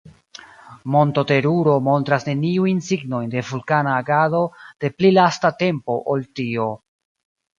Monto Teruro montras neniujn signojn de vulkana agado de pli lasta tempo ol tio.